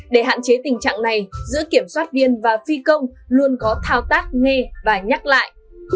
để hạn chế tình trạng này giữa kiểm soát viên và phi công luôn có thao tác nghe và nhắc lại